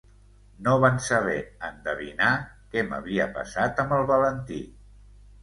No van saber endevinar què m'havia passat amb el Valentí...